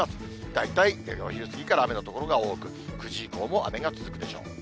大体お昼過ぎから雨の所が多く、９時以降も雨が続くでしょう。